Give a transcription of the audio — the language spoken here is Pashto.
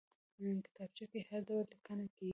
کتابچه کې هر ډول لیکنه کېږي